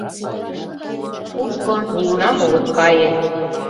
— Кушко нигунам огыт кае.